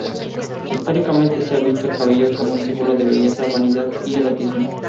Históricamente se ha visto el cabello como un símbolo de belleza, vanidad y erotismo.